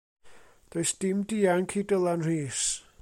Does dim dianc i Dylan Rees.